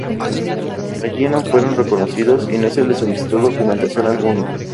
Allí no fueron reconocidos y no se les solicitó documentación alguna.